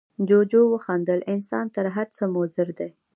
جوجو وخندل، انسان تر هر څه مضر دی.